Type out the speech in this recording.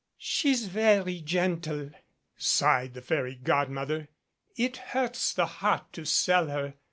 "She's very gentle," sighed the fairy godmother. "It hurts the heart to sell her.